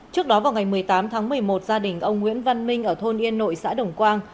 trước đó vào ngày một mươi tám tháng một mươi một gia đình ông nguyễn văn minh ở thôn yên nội xã đồng quang